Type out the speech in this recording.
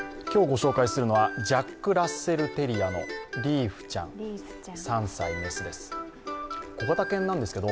今日ご紹介するのはジャックラッセルテリアのリーフちゃん３歳雌です。